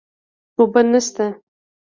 اوبه نشته